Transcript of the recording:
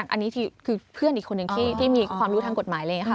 อันนี้คือเพื่อนอีกคนหนึ่งที่มีความรู้ทางกฎหมายเลยค่ะ